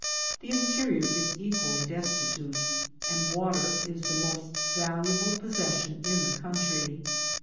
The interior is equally desti tute ; and water is the most valuable possession in the country.